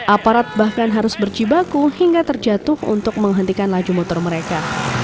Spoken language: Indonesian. aparat bahkan harus berjibaku hingga terjatuh untuk menghentikan laju motor mereka